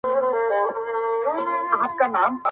موږ پخپله دی ښکاري ته پر ورکړی.